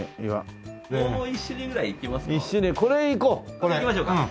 これいきましょうか。